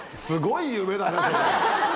すごい夢だね。